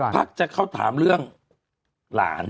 พักจะเข้าถามเรื่องหลาน